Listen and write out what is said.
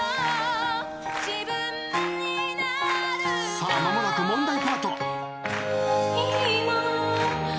さあ間もなく問題パート。